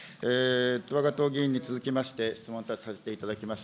わが党議員に続きまして、質問に立たせていただきます。